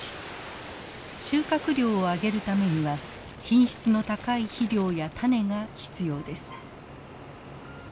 収穫量を上げるためには品質の高い肥料や種が必要です。